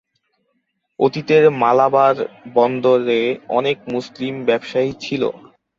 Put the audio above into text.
অতীতে মালাবার বন্দরে অনেক মুসলিম ব্যবসায়ী ছিল।